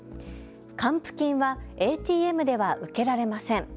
還付金はＡＴＭでは受けられません。